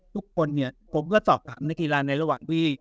ทุกคนเนี่ยผมก็สอบถามนักกีฬาในระหว่างที่